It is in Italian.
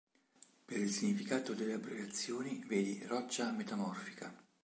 Per il significato delle abbreviazioni vedi roccia metamorfica.